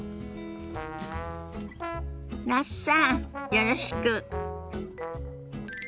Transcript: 那須さんよろしく。